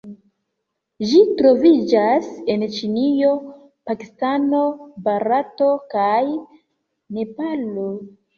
Ĝi troviĝas en Ĉinio, Pakistano, Barato kaj Nepalo.